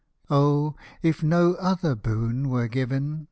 Oh, if no other boon were given.